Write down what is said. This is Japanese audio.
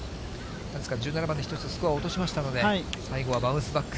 １７番で１つスコアを落としましたので、最後はバウンスバック。